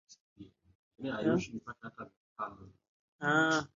aa kwa hivyo ndio huo uzalendo ambao tunauzungumzia hapa na siku ya leo